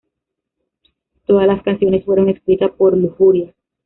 Todas las canciones fueron escritas por Lujuria.